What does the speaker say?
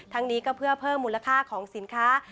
นี้ก็เพื่อเพิ่มมูลค่าของสินค้า